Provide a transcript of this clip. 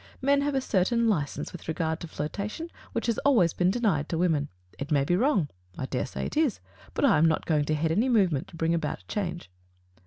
Men have a certain license with regard to flirtation which has always been denied to women. It may be wrong — I dare say it is — but I am not going to head any movement to bring about a change.